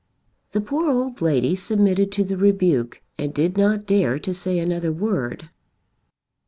The poor old lady submitted to the rebuke and did not dare to say another word.